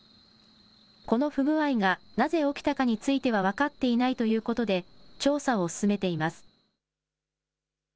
この不具合がなぜ起きたかについては分かっていないということで、調査を進めています。